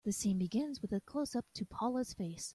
The scene begins with a closeup to Paula's face.